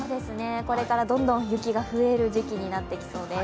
これからどんどん雪が増える時期になってきそうです。